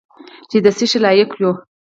چې د څه شي لایق یو .